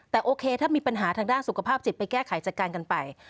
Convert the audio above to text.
แต่โอเคถ้ามีปัญหาทางด้านสุขภาพจิตไปแก้ไขจัดการกันไป